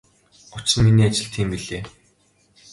Учир нь миний ажил тийм билээ.